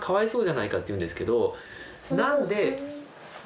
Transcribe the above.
なんで。